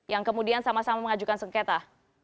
yang kemudian sama sama mengajukan sengketa